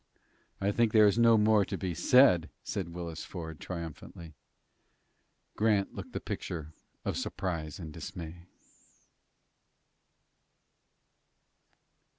"I think there is no more to be said," said Willis Ford, triumphantly. Grant looked the picture of surprise and dismay.